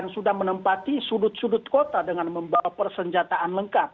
sudah menempati sudut sudut kota dengan membawa persenjataan lengkap